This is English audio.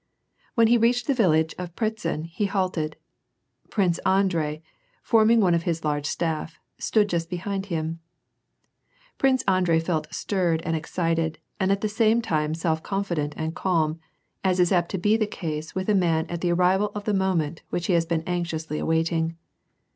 When he reached the village of Pratzen, he halted. Prince Andrei, forming one of his large staff, stood just behind him. Prince Andrei felt stirred and excited, and at the same time self con fident and calm, as is apt to be the case with a man at the arrival ^^ the moment which he has been anxiously awaiting.